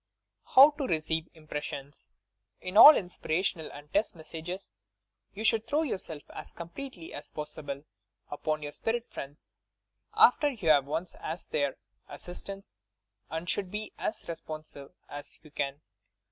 HOW TO RECEIVE IMPRESSIONS "In all inspirational and test messages, you should throw yourself, as completely as possible, upon your spirit friends after you have once asked their assistanee, and should be as responsive as you can.